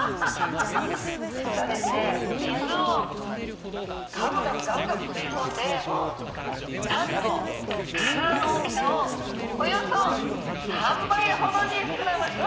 実はですね水をガブガブガブガブ吸いこんでなんと体の大きさをおよそ３倍ほどに膨らませます。